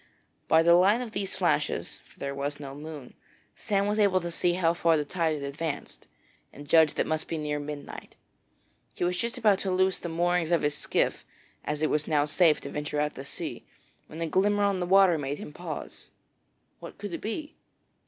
By the light of these flashes for there was no moon Sam was able to see how far the tide had advanced, and judged it must be near midnight. He was just about to loose the moorings of his skiff, as it was now safe to venture out to sea, when a glimmer on the water made him pause. What could it be?